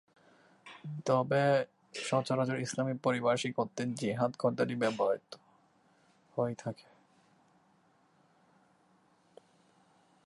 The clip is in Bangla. তবে সচরাচর ইসলামী পারিভাষিক অর্থে 'জিহাদ' কথাটি ব্যবহৃত হয়ে থাকে।